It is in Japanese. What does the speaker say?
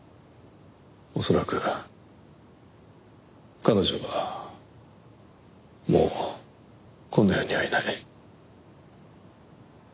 恐らく彼女はもうこの世にはいない。